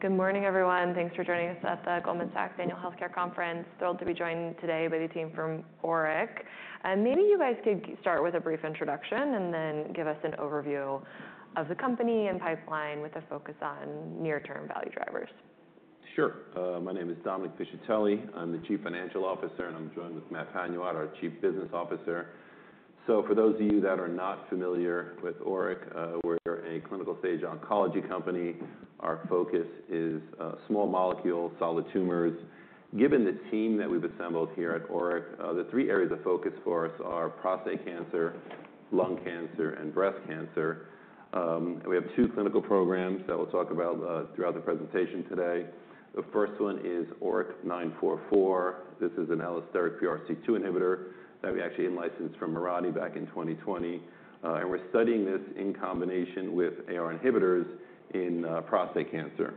Good morning, everyone. Thanks for joining us at the Goldman Sachs Annual Healthcare Conference. Thrilled to be joined today by the team from ORIC. Maybe you guys could start with a brief introduction and then give us an overview of the company and pipeline with a focus on near-term value drivers. Sure. My name is Dominic Piscitelli. I'm the Chief Financial Officer, and I'm joined with Matt Panuwat, our Chief Business Officer. For those of you that are not familiar with ORIC, we're a clinical stage oncology company. Our focus is small molecule solid tumors. Given the team that we've assembled here at ORIC, the three areas of focus for us are prostate cancer, lung cancer, and breast cancer. We have two clinical programs that we'll talk about throughout the presentation today. The first one is ORIC-944. This is an L-asteric PRC2 inhibitor that we actually licensed from Mirati back in 2020. We're studying this in combination with AR inhibitors in prostate cancer.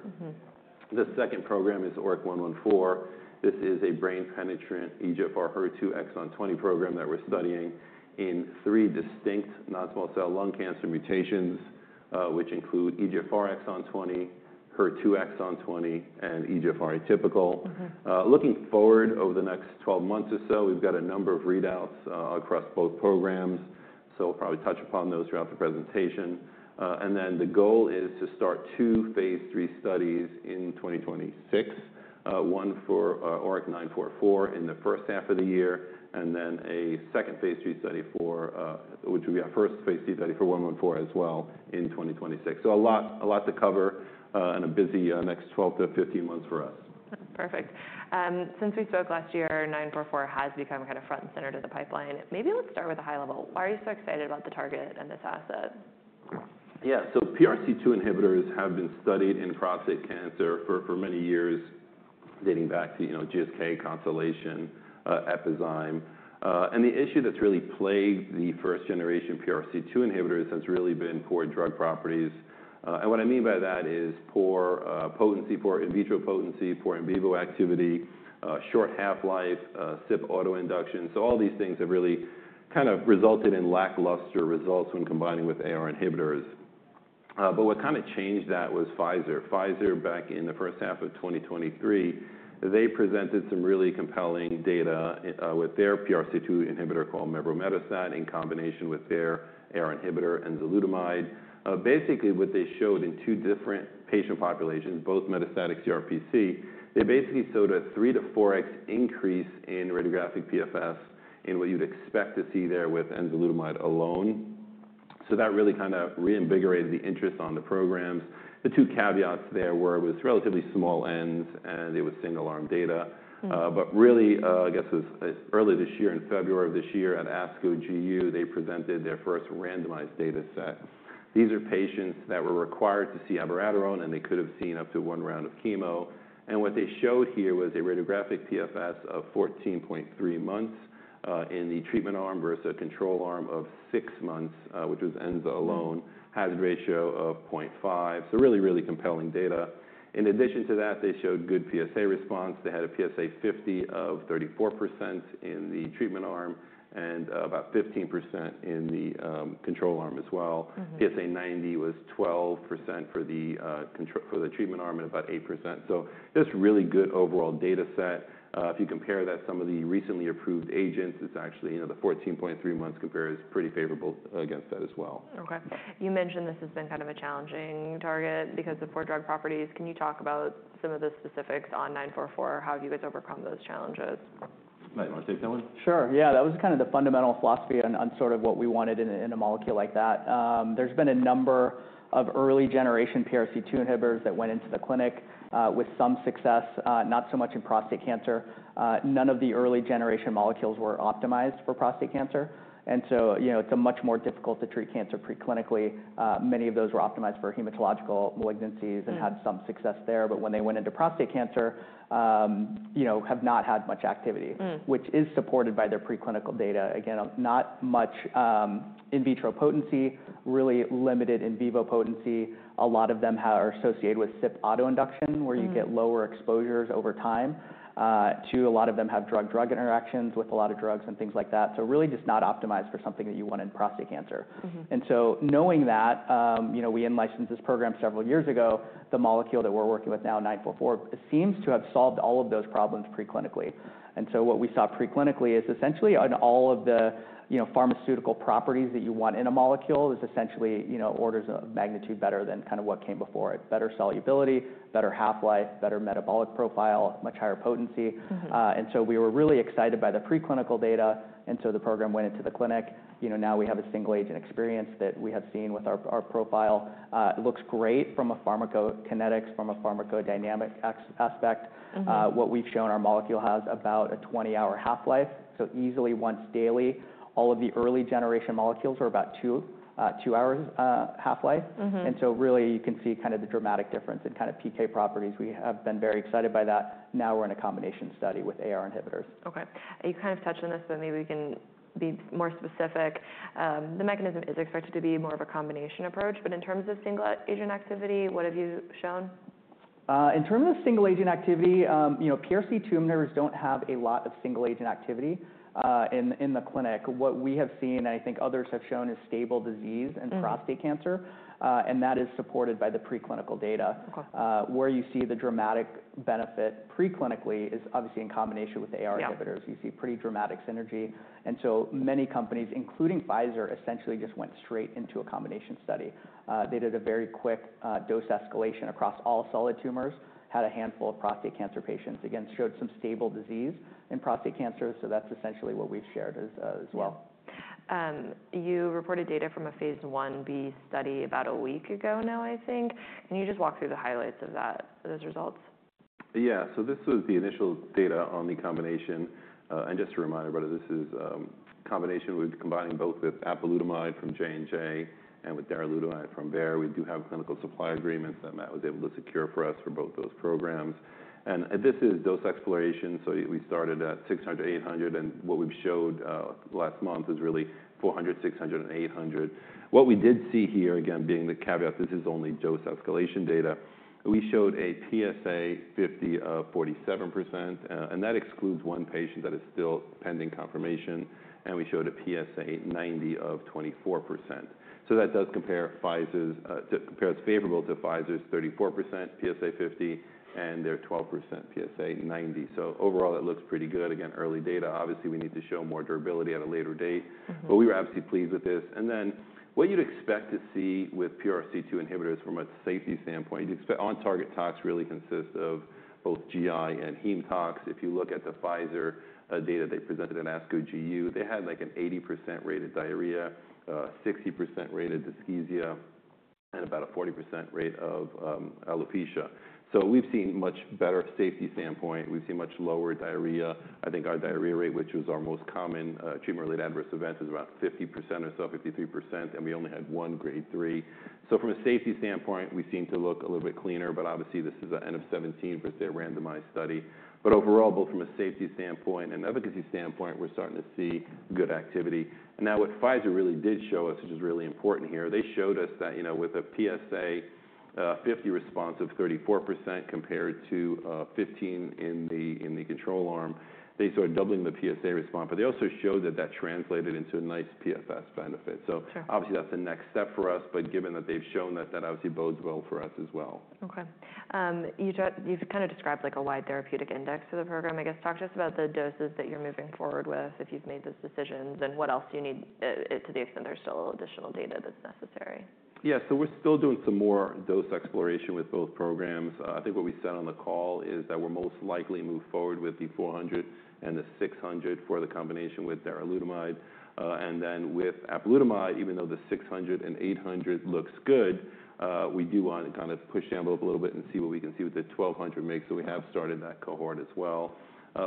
The second program is ORIC-114. This is a brain penetrant EGFR HER2 exon 20 program that we're studying in three distinct non-small cell lung cancer mutations, which include EGFR exon 20, HER2 exon 20, and EGFR atypical. Looking forward over the next 12 months or so, we've got a number of readouts across both programs. We'll probably touch upon those throughout the presentation. The goal is to start two phase three studies in 2026, one for ORIC-944 in the first half of the year, and then a second phase three study, which will be our first phase three study for 114 as well in 2026. A lot to cover in a busy next 12 to 15 months for us. Perfect. Since we spoke last year, 944 has become kind of front and center to the pipeline. Maybe let's start with a high level. Why are you so excited about the target and this asset? Yeah, so PRC2 inhibitors have been studied in prostate cancer for many years, dating back to GSK, Constellation, Epizyme. The issue that's really plagued the first-generation PRC2 inhibitors has really been poor drug properties. What I mean by that is poor potency, poor in vitro potency, poor in vivo activity, short half-life, CYP autoinduction. All these things have really kind of resulted in lackluster results when combining with AR inhibitors. What kind of changed that was Pfizer. Pfizer, back in the first half of 2023, presented some really compelling data with their PRC2 inhibitor called Mevrometastat in combination with their AR inhibitor, enzalutamide. Basically, what they showed in two different patient populations, both metastatic CRPC, they basically showed a three-four fold increase in radiographic PFS in what you'd expect to see there with enzalutamide alone. That really kind of reinvigorated the interest on the programs. The two caveats there were it was relatively small ends and it was single-arm data. I guess it was early this year, in February of this year, at ASCO GU, they presented their first randomized data set. These are patients that were required to see abiraterone, and they could have seen up to one round of chemo. What they showed here was a radiographic PFS of 14.3 months in the treatment arm versus a control arm of 6 months, which was Enza alone, hazard ratio of 0.5 so really, really compelling data. In addition to that, they showed good PSA response. They had a PSA 50 of 34% in the treatment arm and about 15% in the control arm as well. PSA 90 was 12% for the treatment arm and about 8%. Just really good overall data set. If you compare that to some of the recently approved agents, it's actually the 14.3 months comparison is pretty favorable against that as well. Okay. You mentioned this has been kind of a challenging target because of poor drug properties. Can you talk about some of the specifics on 944? How have you guys overcome those challenges? Do you mind taking that one? Sure. Yeah, that was kind of the fundamental philosophy and sort of what we wanted in a molecule like that. There's been a number of early-generation PRC2 inhibitors that went into the clinic with some success, not so much in prostate cancer. None of the early-generation molecules were optimized for prostate cancer. It's much more difficult to treat cancer preclinically. Many of those were optimized for hematological malignancies and had some success there. When they went into prostate cancer, have not had much activity, which is supported by their preclinical data. Again, not much in vitro potency, really limited in vivo potency. A lot of them are associated with CYP autoinduction, where you get lower exposures over time. Too, a lot of them have drug-drug interactions with a lot of drugs and things like that. Really just not optimized for something that you want in prostate cancer. Knowing that, we licensed this program several years ago. The molecule that we're working with now, 944, seems to have solved all of those problems preclinically. What we saw preclinically is essentially all of the pharmaceutical properties that you want in a molecule are essentially orders of magnitude better than kind of what came before. Better solubility, better half-life, better metabolic profile, much higher potency. We were really excited by the preclinical data. The program went into the clinic. Now we have a single-agent experience that we have seen with our profile. It looks great from a pharmacokinetics, from a pharmacodynamic aspect. What we've shown, our molecule has about a 20-hour half-life. Easily once daily, all of the early-generation molecules are about two hours half-life. You can see kind of the dramatic difference in kind of PK properties. We have been very excited by that. Now we are in a combination study with AR inhibitors. Okay. You kind of touched on this, but maybe we can be more specific. The mechanism is expected to be more of a combination approach. In terms of single-agent activity, what have you shown? In terms of single-agent activity, PRC2 inhibitors do not have a lot of single-agent activity in the clinic. What we have seen, and I think others have shown, is stable disease in prostate cancer. That is supported by the preclinical data. Where you see the dramatic benefit preclinically is obviously in combination with the AR inhibitors. You see pretty dramatic synergy. Many companies, including Pfizer, essentially just went straight into a combination study. They did a very quick dose escalation across all solid tumors, had a handful of prostate cancer patients, again, showed some stable disease in prostate cancer. That is essentially what we have shared as well. You reported data from a phase 1b study about a week ago now, I think. Can you just walk through the highlights of those results? Yeah. This was the initial data on the combination. Just a reminder, this is a combination we're combining both with apalutamide from Janssen and with darolutamide from Bayer. We do have clinical supply agreements that Matt was able to secure for us for both those programs. This is dose exploration. We started at 600, 800. What we showed last month is really 400, 600, and 800. What we did see here, again, being the caveat, this is only dose escalation data, we showed a PSA 50 of 47%. That excludes one patient that is still pending confirmation. We showed a PSA 90 of 24%. That does compare to Pfizer's 34% PSA 50 and their 12% PSA 90. Overall, it looks pretty good. Again, early data. Obviously, we need to show more durability at a later date. We were absolutely pleased with this. What you'd expect to see with PRC2 inhibitors from a safety standpoint, on-target tox really consists of both GI and heme tox. If you look at the Pfizer data they presented at ASCO GU, they had like an 80% rate of diarrhea, 60% rate of dyschezia, and about a 40% rate of alopecia. We've seen much better safety standpoint. We've seen much lower diarrhea. I think our diarrhea rate, which was our most common treatment-related adverse event, is about 50% or so, 53%. We only had one grade-3. From a safety standpoint, we seem to look a little bit cleaner. Obviously, this is an N of 17 percent randomized study. Overall, both from a safety standpoint and efficacy standpoint, we're starting to see good activity. What Pfizer really did show us, which is really important here, they showed us that with a PSA 50 response of 34% compared to 15% in the control arm, they started doubling the PSA response. They also showed that that translated into a nice PFS benefit. Obviously, that's the next step for us. Given that they've shown that, that obviously bodes well for us as well. Okay. You've kind of described a wide therapeutic index for the program. I guess talk to us about the doses that you're moving forward with if you've made those decisions and what else you need to the extent there's still additional data that's necessary. Yeah. So we're still doing some more dose exploration with both programs. I think what we said on the call is that we're most likely to move forward with the 400 and the 600 for the combination with darolutamide. And then with apalutamide, even though the 600 and 800 looks good, we do want to kind of push the envelope a little bit and see what we can see what the 1200 makes. So we have started that cohort as well.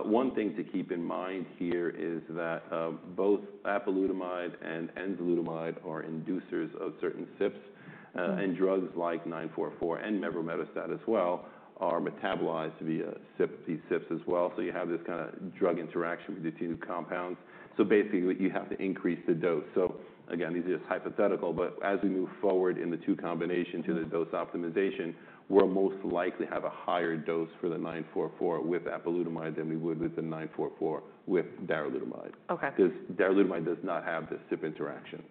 One thing to keep in mind here is that both apalutamide and enzalutamide are inducers of certain CYPs. And drugs like 944 and Mevrometastat as well are metabolized via CYPs as well. So you have this kind of drug interaction with these two compounds. So basically, you have to increase the dose. So again, these are just hypothetical. As we move forward in the two combinations to the dose optimization, we'll most likely have a higher dose for the 944 with apalutamide than we would with the 944 with darolutamide. Okay. Because darolutamide does not have the CYP interaction.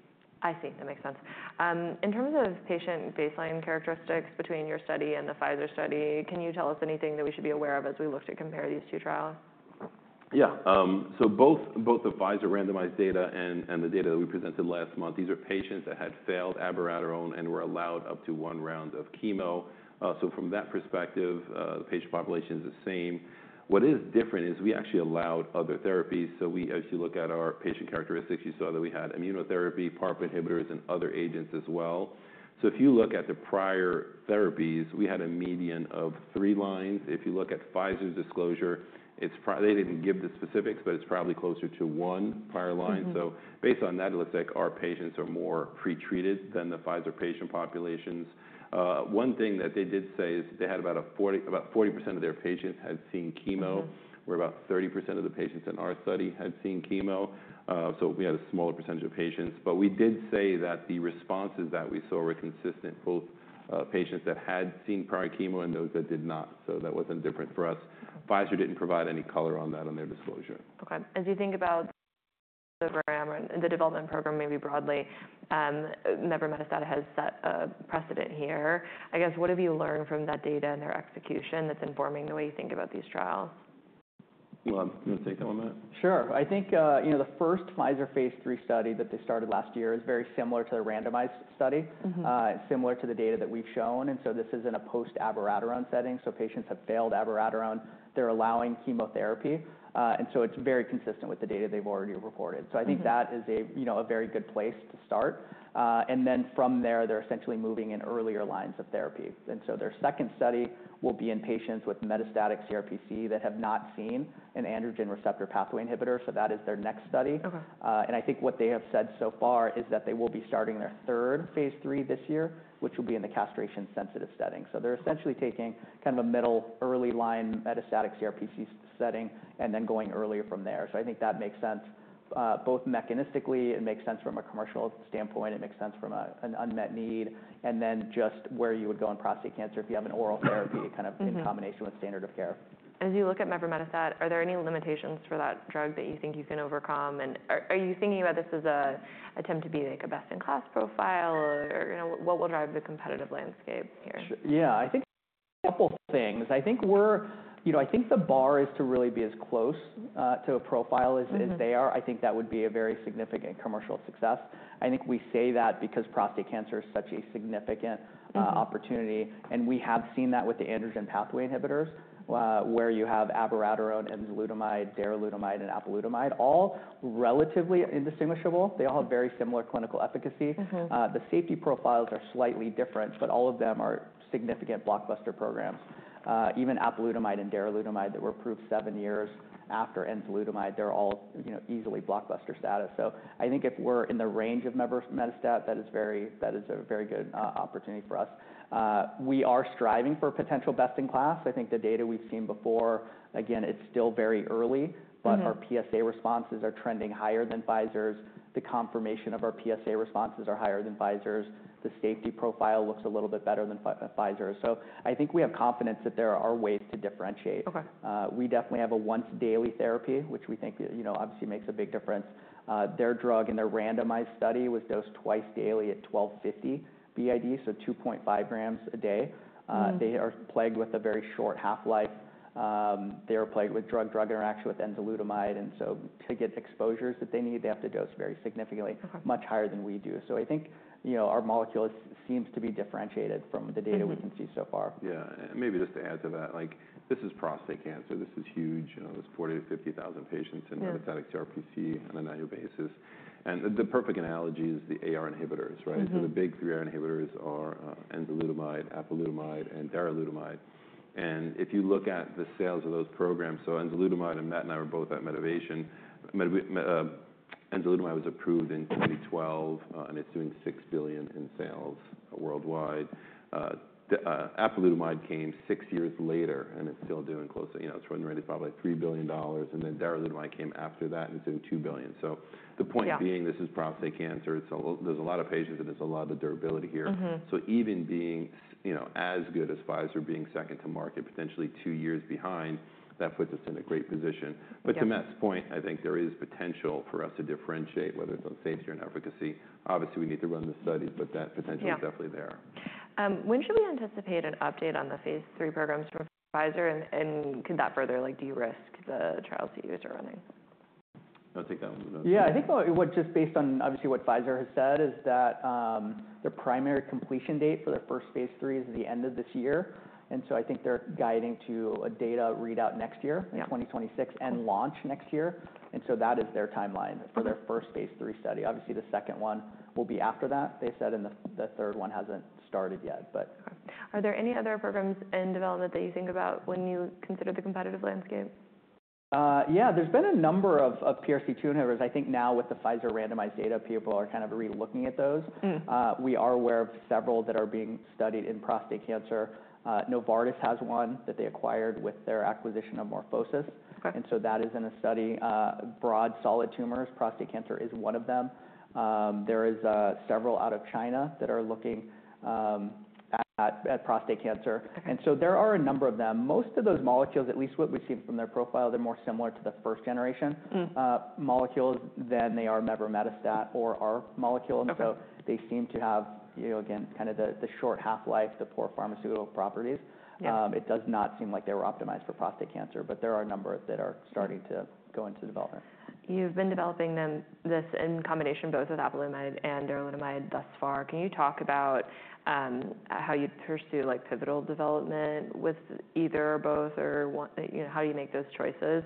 I see. That makes sense. In terms of patient baseline characteristics between your study and the Pfizer study, can you tell us anything that we should be aware of as we look to compare these two trials? Yeah. Both the Pfizer randomized data and the data that we presented last month, these are patients that had failed abiraterone and were allowed up to one round of chemo. From that perspective, the patient population is the same. What is different is we actually allowed other therapies. If you look at our patient characteristics, you saw that we had immunotherapy, PARP inhibitors, and other agents as well. If you look at the prior therapies, we had a median of three lines. If you look at Pfizer's disclosure, they did not give the specifics, but it is probably closer to one prior line. Based on that, it looks like our patients are more pretreated than the Pfizer patient populations. One thing that they did say is they had about 40% of their patients had seen chemo, where about 30% of the patients in our study had seen chemo. We had a smaller percentage of patients. We did say that the responses that we saw were consistent, both patients that had seen prior chemo and those that did not. That was not different for us. Pfizer did not provide any color on that in their disclosure. Okay. As you think about the development program maybe broadly, Mevrometastat has set a precedent here. I guess what have you learned from that data and their execution that's informing the way you think about these trials? Are you going to take that one, Matt? Sure. I think the first Pfizer phase three study that they started last year is very similar to the randomized study, similar to the data that we've shown. This is in a post-abiraterone setting. Patients have failed abiraterone. They're allowing chemotherapy. It is very consistent with the data they've already reported. I think that is a very good place to start. From there, they're essentially moving in earlier lines of therapy. Their second study will be in patients with metastatic CRPC that have not seen an androgen receptor pathway inhibitor. That is their next study. I think what they have said so far is that they will be starting their third phase three this year, which will be in the castration-sensitive setting. They're essentially taking kind of a middle, early line metastatic CRPC setting and then going earlier from there. I think that makes sense both mechanistically. It makes sense from a commercial standpoint. It makes sense from an unmet need. Just where you would go in prostate cancer if you have an oral therapy kind of in combination with standard of care. As you look at Mevrometastat, are there any limitations for that drug that you think you can overcome? Are you thinking about this as an attempt to be like a best-in-class profile? What will drive the competitive landscape here? Yeah. I think a couple of things. I think the bar is to really be as close to a profile as they are. I think that would be a very significant commercial success. I think we say that because prostate cancer is such a significant opportunity. We have seen that with the androgen pathway inhibitors, where you have abiraterone, enzalutamide, darolutamide, and apalutamide, all relatively indistinguishable. They all have very similar clinical efficacy. The safety profiles are slightly different, but all of them are significant blockbuster programs. Even apalutamide and darolutamide that were approved seven years after enzalutamide, they're all easily blockbuster status. I think if we're in the range of Mevrometastat, that is a very good opportunity for us. We are striving for potential best-in-class. I think the data we've seen before, again, it's still very early. Our PSA responses are trending higher than Pfizer's. The confirmation of our PSA responses are higher than Pfizer's. The safety profile looks a little bit better than Pfizer's. I think we have confidence that there are ways to differentiate. We definitely have a once-daily therapy, which we think obviously makes a big difference. Their drug in their randomized study was dosed twice daily at 1,250 BID, so 2.5 grams a day. They are plagued with a very short half-life. They are plagued with drug-drug interaction with enzalutamide. To get exposures that they need, they have to dose very significantly, much higher than we do. I think our molecule seems to be differentiated from the data we can see so far. Yeah. Maybe just to add to that, this is prostate cancer. This is huge. There are 40,000-50,000 patients in metastatic CRPC on an annual basis. The perfect analogy is the AR inhibitors, right? The big three AR inhibitors are enzalutamide, apalutamide, and darolutamide. If you look at the sales of those programs, enzalutamide, and Matt and I were both at Medivation. enzalutamide was approved in 2012, and it is doing $6 billion in sales worldwide. apalutamide came six years later, and it is still doing close. It is running right at probably $3 billion. Darolutamide came after that, and it is doing $2 billion. The point being, this is prostate cancer. There are a lot of patients, and there is a lot of durability here. Even being as good as Pfizer, being second to market, potentially two years behind, that puts us in a great position. To Matt's point, I think there is potential for us to differentiate whether it is on safety or on efficacy. Obviously, we need to run the studies, but that potential is definitely there. When should we anticipate an update on the phase three programs from Pfizer? Could that further de-risk the trials that you guys are running? I'll take that one. Yeah. I think just based on obviously what Pfizer has said is that their primary completion date for their first phase three is the end of this year. I think they're guiding to a data readout next year, 2026, and launch next year. That is their timeline for their first phase three study. Obviously, the second one will be after that, they said, and the third one hasn't started yet. Are there any other programs in development that you think about when you consider the competitive landscape? Yeah. There's been a number of PRC2 inhibitors. I think now with the Pfizer randomized data, people are kind of re-looking at those. We are aware of several that are being studied in prostate cancer. Novartis has one that they acquired with their acquisition of MorphoSys. That is in a study. Broad solid tumors, prostate cancer is one of them. There are several out of China that are looking at prostate cancer. There are a number of them. Most of those molecules, at least what we've seen from their profile, they're more similar to the first-generation molecules than they are Mevrometastat or our molecule. They seem to have, again, kind of the short half-life, the poor pharmaceutical properties. It does not seem like they were optimized for prostate cancer. There are a number that are starting to go into development. You've been developing this in combination both with apalutamide and darolutamide thus far. Can you talk about how you'd pursue pivotal development with either or both, or how do you make those choices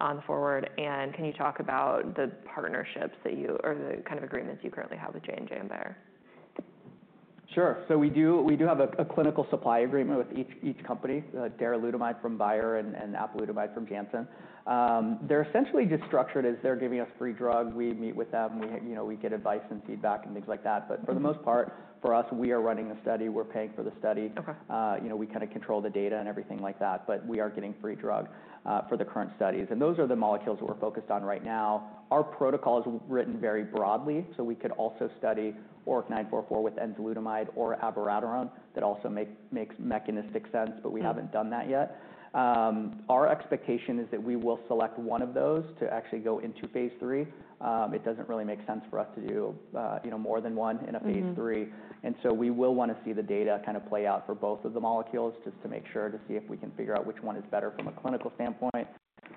on the forward? Can you talk about the partnerships that you or the kind of agreements you currently have with J&J and Bayer? Sure. We do have a clinical supply agreement with each company, darolutamide from Bayer and apalutamide from Janssen. They're essentially just structured as they're giving us free drug. We meet with them. We get advice and feedback and things like that. For the most part, for us, we are running the study. We're paying for the study. We kind of control the data and everything like that. We are getting free drug for the current studies. Those are the molecules that we're focused on right now. Our protocol is written very broadly. We could also study ORIC-944 with enzalutamide or abiraterone. That also makes mechanistic sense, but we haven't done that yet. Our expectation is that we will select one of those to actually go into phase three. It doesn't really make sense for us to do more than one in a phase three. We will want to see the data kind of play out for both of the molecules just to make sure to see if we can figure out which one is better from a clinical standpoint.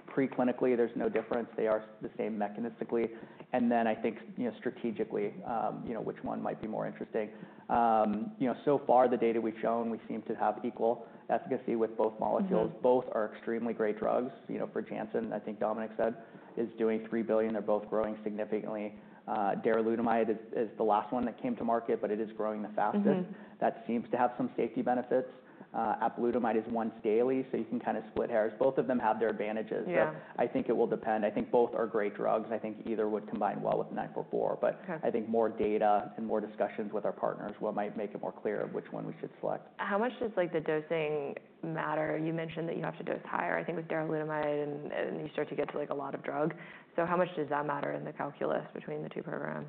Pre-clinically, there is no difference. They are the same mechanistically. I think strategically which one might be more interesting. So far, the data we have shown, we seem to have equal efficacy with both molecules. Both are extremely great drugs. For Janssen, I think Dominic said is doing $3 billion. They are both growing significantly. Darolutamide is the last one that came to market, but it is growing the fastest. That seems to have some safety benefits. apalutamide is once daily, so you can kind of split hairs. Both of them have their advantages. I think it will depend. I think both are great drugs. I think either would combine well with 944. I think more data and more discussions with our partners might make it more clear which one we should select. How much does the dosing matter? You mentioned that you have to dose higher. I think with darolutamide, you start to get to a lot of drug. How much does that matter in the calculus between the two programs?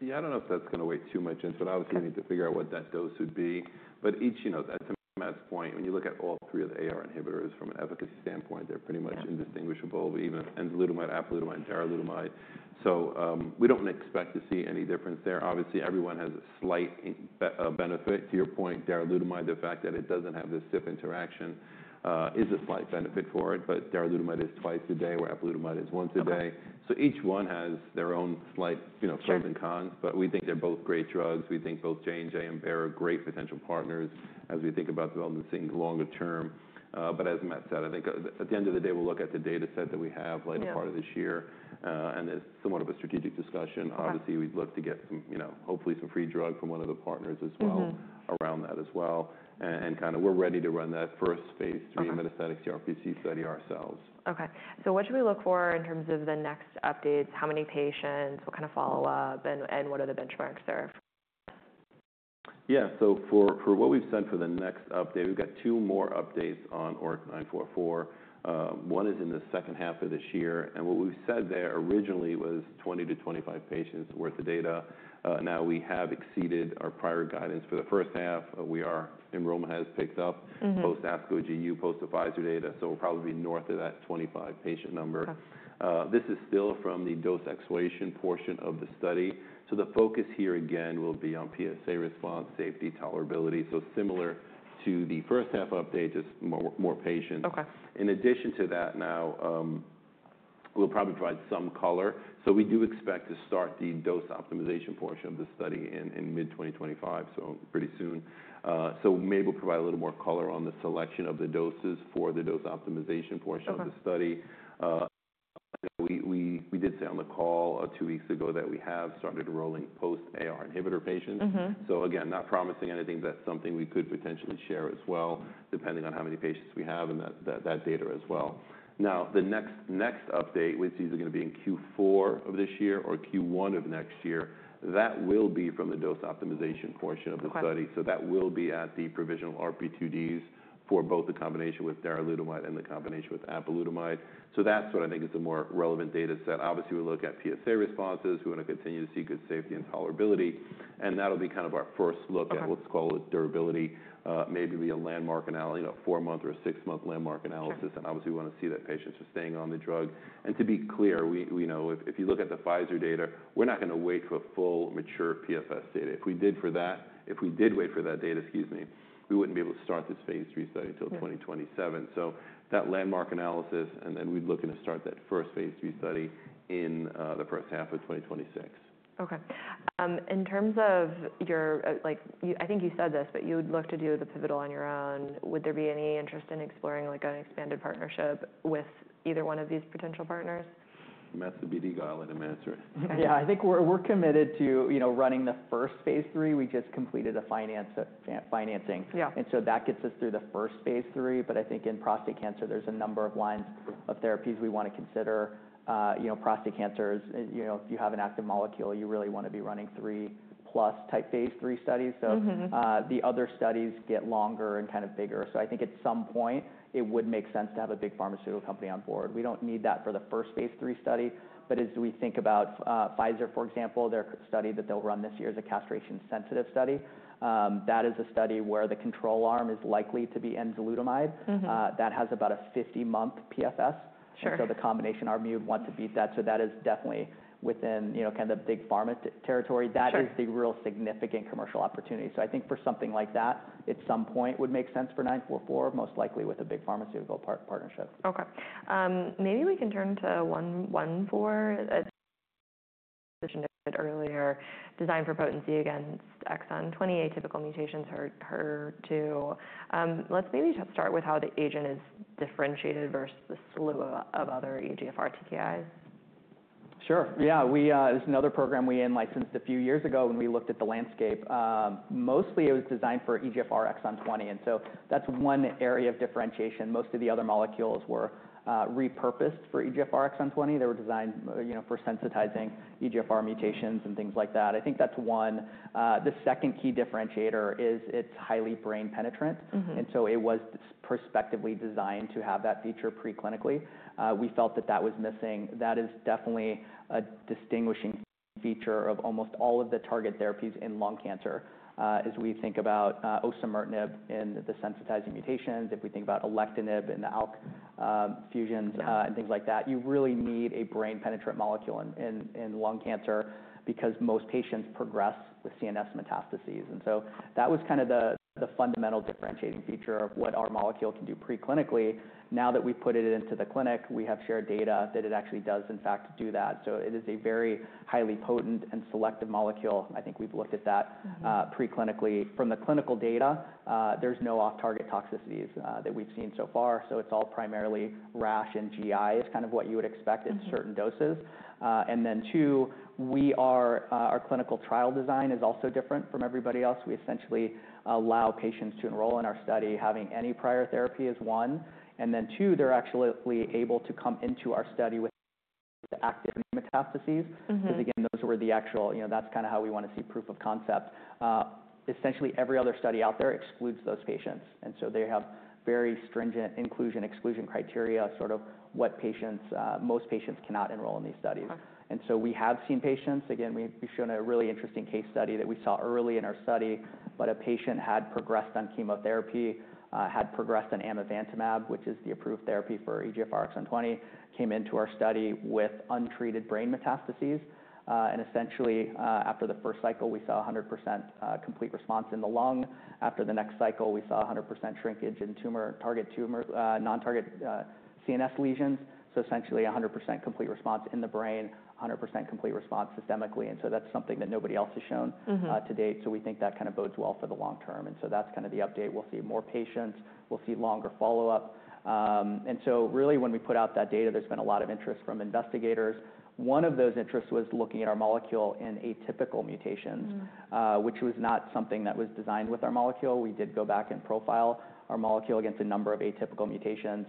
Yeah. I don't know if that's going to weigh too much in, but obviously, we need to figure out what that dose would be. But to Matt's point, when you look at all three of the AR inhibitors from an efficacy standpoint, they're pretty much indistinguishable, even enzalutamide, apalutamide, darolutamide. So we don't expect to see any difference there. Obviously, everyone has a slight benefit. To your point, darolutamide, the fact that it doesn't have the CYP interaction is a slight benefit for it. But darolutamide is twice a day, where apalutamide is once a day. So each one has their own slight pros and cons. But we think they're both great drugs. We think both J&J and Bayer are great potential partners as we think about developing things longer term. As Matt said, I think at the end of the day, we'll look at the data set that we have later part of this year. There's somewhat of a strategic discussion. Obviously, we'd love to get hopefully some free drug from one of the partners as well around that as well. We're ready to run that first phase three metastatic CRPC study ourselves. Okay. What should we look for in terms of the next updates? How many patients, what kind of follow-up, and what are the benchmarks there? Yeah. For what we've said for the next update, we've got two more updates on ORIC-944. One is in the second half of this year. What we said there originally was 20-25 patients' worth of data. Now we have exceeded our prior guidance for the first half. Enrollment has picked up post-ASCO GU, post-APHISU data. We'll probably be north of that 25 patient number. This is still from the dose escalation portion of the study. The focus here again will be on PSA response, safety, tolerability. Similar to the first half update, just more patients. In addition to that, we'll probably provide some color. We do expect to start the dose optimization portion of the study in mid-2025, so pretty soon. Maybe we'll provide a little more color on the selection of the doses for the dose optimization portion of the study. We did say on the call two weeks ago that we have started enrolling post-AR inhibitor patients. Again, not promising anything. That's something we could potentially share as well, depending on how many patients we have and that data as well. The next update, which is going to be in Q4 of this year or Q1 of next year, will be from the dose optimization portion of the study. That will be at the provisional RP2Ds for both the combination with darolutamide and the combination with apalutamide. That's what I think is the more relevant data set. Obviously, we'll look at PSA responses. We want to continue to see good safety and tolerability. That'll be kind of our first look at what's called durability. Maybe it'll be a landmark analysis, a four-month or a six-month landmark analysis. Obviously, we want to see that patient just staying on the drug. To be clear, if you look at the Pfizer data, we're not going to wait for full mature PFS data. If we did wait for that data, excuse me, we wouldn't be able to start this phase three study until 2027. That landmark analysis, and then we'd look to start that first phase three study in the first half of 2026. Okay. In terms of your, I think you said this, but you would look to do the pivotal on your own. Would there be any interest in exploring an expanded partnership with either one of these potential partners? Matt's a beady guy like a mansard. Yeah. I think we're committed to running the first phase three. We just completed the financing. And so that gets us through the first phase three. I think in prostate cancer, there's a number of lines of therapies we want to consider. Prostate cancer, if you have an active molecule, you really want to be running three-plus type phase three studies. The other studies get longer and kind of bigger. I think at some point, it would make sense to have a big pharmaceutical company on board. We don't need that for the first phase three study. As we think about Pfizer, for example, their study that they'll run this year is a castration-sensitive study. That is a study where the control arm is likely to be enzalutamide. That has about a 50-month PFS. The combination RBU would want to beat that. That is definitely within kind of the big pharma territory. That is the real significant commercial opportunity. I think for something like that, at some point, it would make sense for 944, most likely with a big pharmaceutical partnership. Okay. Maybe we can turn to one for a decision earlier, design for potency against exon 20 atypical mutations HER2. Let's maybe just start with how the agent is differentiated versus the slew of other EGFR TTIs. Sure. Yeah. This is another program we licensed a few years ago when we looked at the landscape. Mostly, it was designed for EGFR exon 20. That is one area of differentiation. Most of the other molecules were repurposed for EGFR exon 20. They were designed for sensitizing EGFR mutations and things like that. I think that is one. The second key differentiator is it is highly brain penetrant. It was prospectively designed to have that feature preclinically. We felt that that was missing. That is definitely a distinguishing feature of almost all of the target therapies in lung cancer. As we think about osimertinib in the sensitizing mutations, if we think about alectinib in the ALK fusions and things like that, you really need a brain penetrant molecule in lung cancer because most patients progress with CNS metastases. That was kind of the fundamental differentiating feature of what our molecule can do preclinically. Now that we've put it into the clinic, we have shared data that it actually does, in fact, do that. It is a very highly potent and selective molecule. I think we've looked at that preclinically. From the clinical data, there's no off-target toxicities that we've seen so far. It is all primarily rash and GI, which is kind of what you would expect at certain doses. Our clinical trial design is also different from everybody else. We essentially allow patients to enroll in our study having any prior therapy as one. They are actually able to come into our study with active metastases. Because again, those were the actual, that's kind of how we want to see proof of concept. Essentially, every other study out there excludes those patients. They have very stringent inclusion-exclusion criteria, sort of what patients most patients cannot enroll in these studies. We have seen patients. Again, we've shown a really interesting case study that we saw early in our study. A patient had progressed on chemotherapy, had progressed on amivantamab, which is the approved therapy for EGFR exon 20, came into our study with untreated brain metastases. Essentially, after the first cycle, we saw 100% complete response in the lung. After the next cycle, we saw 100% shrinkage in target CNS lesions. Essentially, 100% complete response in the brain, 100% complete response systemically. That is something that nobody else has shown to date. We think that kind of bodes well for the long term. That is kind of the update. We'll see more patients. We'll see longer follow-up. Really, when we put out that data, there's been a lot of interest from investigators. One of those interests was looking at our molecule in atypical mutations, which was not something that was designed with our molecule. We did go back and profile our molecule against a number of atypical mutations.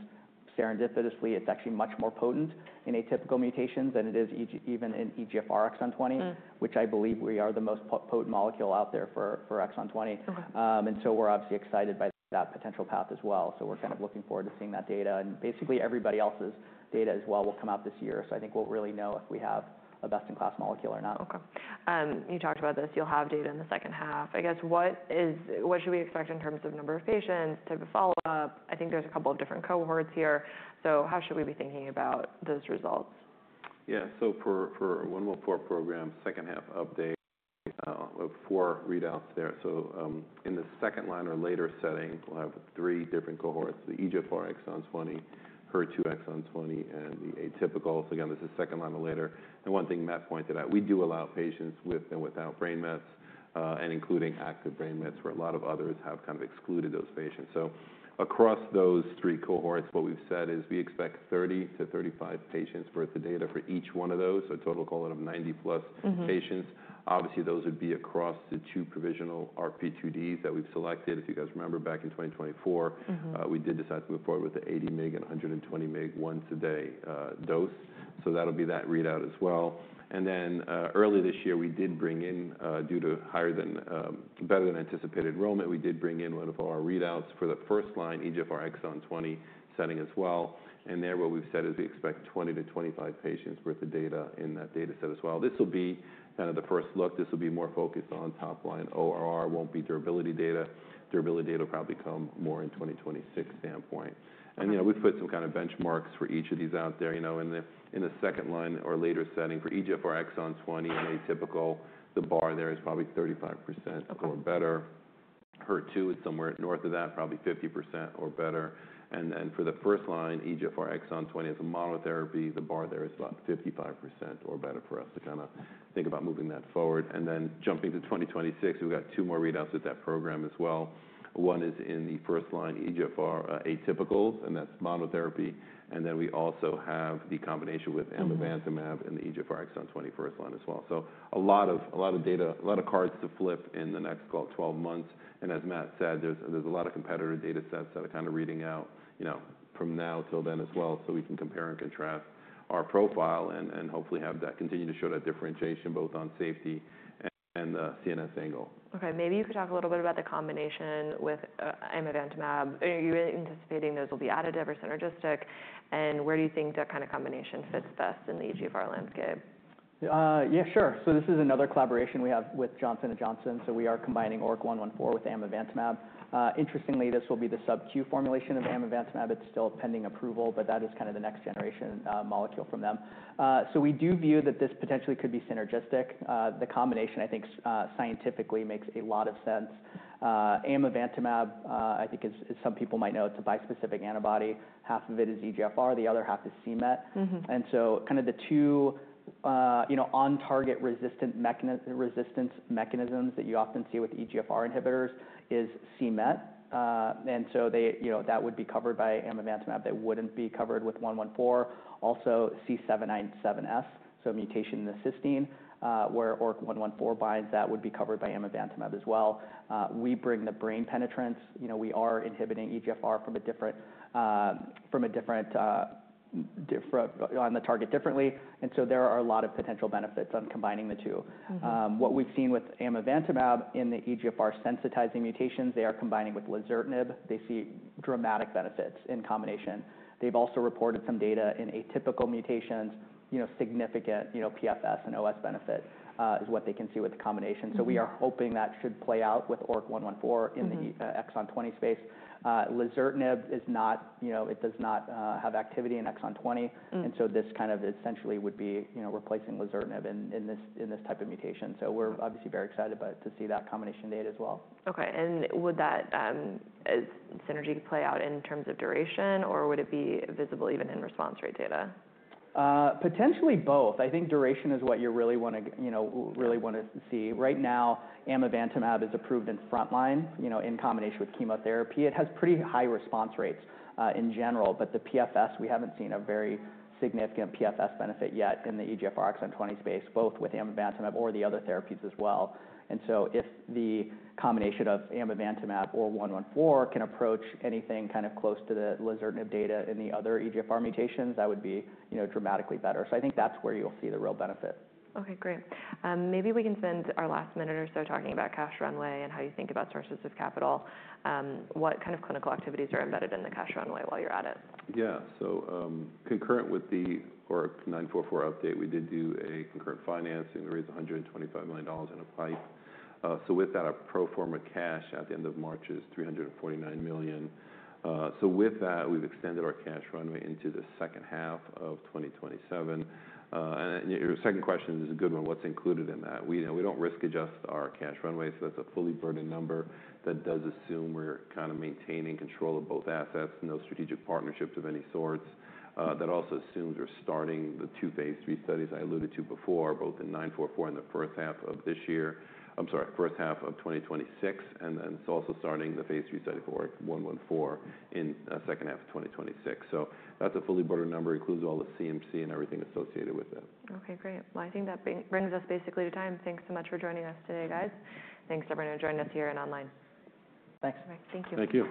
Serendipitously, it's actually much more potent in atypical mutations than it is even in EGFR exon 20, which I believe we are the most potent molecule out there for exon 20. We're obviously excited by that potential path as well. We're kind of looking forward to seeing that data. Basically, everybody else's data as well will come out this year. I think we'll really know if we have a best-in-class molecule or not. Okay. You talked about this. You'll have data in the second half. I guess, what should we expect in terms of number of patients, type of follow-up? I think there's a couple of different cohorts here. How should we be thinking about those results? Yeah. For our 114 program, second half update, four readouts there. In the second line or later setting, we'll have three different cohorts: the EGFR exon 20, HER2 exon 20, and the atypicals. Again, this is second line or later. One thing Matt pointed out, we do allow patients with and without brain mets, including active brain mets, where a lot of others have kind of excluded those patients. Across those three cohorts, what we've said is we expect 30-35 patients' worth of data for each one of those, a total, call it, of 90-plus patients. Obviously, those would be across the two provisional RP2Ds that we've selected. If you guys remember, back in 2024, we did decide to move forward with the 80 mg and 120 mg once-a-day dose. That'll be that readout as well. Early this year, we did bring in, due to better than anticipated enrollment, we did bring in one of our readouts for the first line EGFR exon 20 setting as well. There, what we have said is we expect 20-25 patients' worth of data in that data set as well. This will be kind of the first look. This will be more focused on top line. ORR will not be durability data. Durability data will probably come more in 2026 standpoint. We have put some kind of benchmarks for each of these out there. In the second line or later setting for EGFR exon 20 and atypical, the bar there is probably 35% or better. HER2 is somewhere north of that, probably 50% or better. For the first line, EGFR exon 20 as a monotherapy, the bar there is about 55% or better for us to kind of think about moving that forward. Jumping to 2026, we have two more readouts with that program as well. One is in the first line, EGFR atypicals, and that is monotherapy. We also have the combination with amivantamab and the EGFR exon 20 first line as well. A lot of data, a lot of cards to flip in the next 12 months. As Matt said, there are a lot of competitor data sets that are kind of reading out from now till then as well. We can compare and contrast our profile and hopefully continue to show that differentiation both on safety and the CNS angle. Okay. Maybe you could talk a little bit about the combination with amivantamab. Are you anticipating those will be additive or synergistic? Where do you think that kind of combination fits best in the EGFR landscape? Yeah, sure. This is another collaboration we have with Johnson & Johnson. We are combining ORIC-114 with amivantamab. Interestingly, this will be the sub-Q formulation of amivantamab. It is still pending approval, but that is kind of the next generation molecule from them. We do view that this potentially could be synergistic. The combination, I think, scientifically makes a lot of sense. Amivantamab, I think some people might know, is a bispecific antibody. Half of it is EGFR. The other half is CMET. The two on-target resistance mechanisms that you often see with EGFR inhibitors is CMET. That would be covered by amivantamab. That would not be covered with 114. Also, C797S, so mutation in the cysteine where ORIC-114 binds, that would be covered by amivantamab as well. We bring the brain penetrance. We are inhibiting EGFR on the target differently. There are a lot of potential benefits on combining the two. What we've seen with Amivantamab in the EGFR sensitizing mutations, they are combining with lazertinib. They see dramatic benefits in combination. They've also reported some data in atypical mutations, significant PFS and OS benefit is what they can see with the combination. We are hoping that should play out with ORIC-114 in the exon 20 space. Lazertinib does not have activity in exon 20. This kind of essentially would be replacing lazertinib in this type of mutation. We're obviously very excited to see that combination data as well. Okay. Would that synergy play out in terms of duration, or would it be visible even in response rate data? Potentially both. I think duration is what you really want to see. Right now, amivantamab is approved in front line in combination with chemotherapy. It has pretty high response rates in general. The PFS, we haven't seen a very significant PFS benefit yet in the EGFR exon 20 space, both with amivantamab or the other therapies as well. If the combination of amivantamab or 114 can approach anything kind of close to the lazertinib data in the other EGFR mutations, that would be dramatically better. I think that's where you'll see the real benefit. Okay, great. Maybe we can spend our last minute or so talking about cash runway and how you think about sources of capital. What kind of clinical activities are embedded in the cash runway while you're at it? Yeah. Concurrent with the ORIC-944 update, we did do a concurrent financing to raise $125 million in a pipe. With that, our pro forma cash at the end of March is $349 million. With that, we've extended our cash runway into the second half of 2027. Your second question is a good one. What's included in that? We don't risk adjust our cash runway. That's a fully burdened number that does assume we're kind of maintaining control of both assets, no strategic partnerships of any sorts. That also assumes we're starting the two phase three studies I alluded to before, both in 944 in the first half of this year—I'm sorry, first half of 2026. It's also starting the phase three study for ORIC-114 in the second half of 2026. That's a fully burdened number. It includes all the CMC and everything associated with it. Okay, great. I think that brings us basically to time. Thanks so much for joining us today, guys. Thanks to everyone who joined us here and online. Thanks. All right. Thank you. Thank you.